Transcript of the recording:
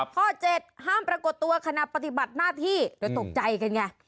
ข้อ๗ห้ามปรากฏตัวขณะปฏิบัติหน้าที่เดี๋ยวตกใจกันไง